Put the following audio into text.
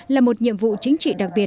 là một nhiệm vụ chính trị đặc biệt